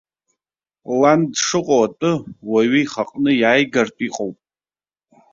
Лан дшыҟоу атәы уаҩы ихаҟны иааигартә иҟоуп.